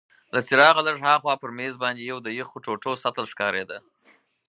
له څراغه لږ هاخوا پر مېز باندي یو د یخو ټوټو سطل ښکارید.